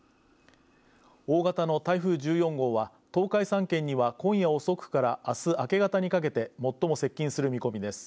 大型の台風１４号は、東海３県には今夜遅くからあす明け方にかけて最も接近する見込みです。